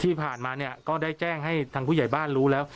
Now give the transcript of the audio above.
ที่ผ่านมาเนี่ยก็ได้แจ้งให้ทางผู้ใหญ่บ้านรู้แล้ว